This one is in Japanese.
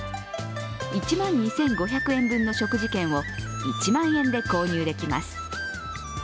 １万２５００円分の食事券を１万円で購入できます。